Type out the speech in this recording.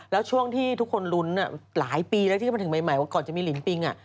แล้วช่วงที่ทุกคนลุ้นหลายปีแล้วที่จะมาถึงใหม่ว่าก่อนจะมีลิ้นปิง